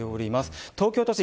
東京都心